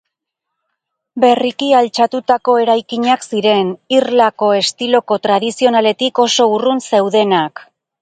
Berriki altxatutako eraikinak ziren, irlako estilo tradizionaletik oso urrun zeudenak.